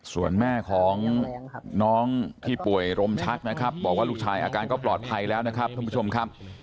ส่วนแม่ของน้องที่ป่วยลมชักนะครับบอกว่าลูกชายอาการก็ปลอดภัยแล้วนะครับท่านผู้ชมครับ